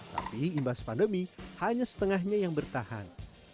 tapi imbas pandemi hanya setengahnya yang bertahan